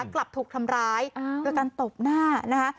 กลับถูกทำร้ายโดยการตบหน้านะคะ